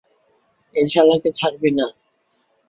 এই শালাকে ছাড়বি না!